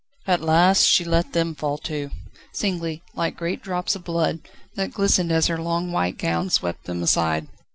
At last she let them fall too, singly, like great drops of blood, that glistened as her long white gown swept them aside.